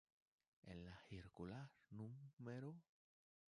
En la "Circular núm.